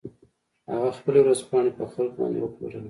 هغه خپلې ورځپاڼې په خلکو باندې وپلورلې.